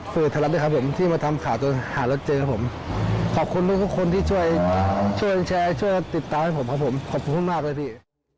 สื่อไทยรัฐด้วยครับผมที่มาทำข่าวตัวเองหาแล้วเจอผมขอบคุณทุกคนที่ช่วยแชร์ช่วยติดตามให้ผมครับผมขอบคุณมากเลยพี่